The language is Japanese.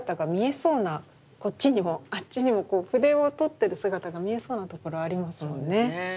こっちにもあっちにも筆をとってる姿が見えそうなところありますよね。